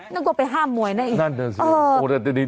นึกว่าไปห้ามมวยนั่นอีก